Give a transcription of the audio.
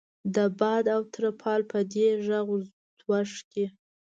د باد او ترپال په دې غږ ځوږ کې.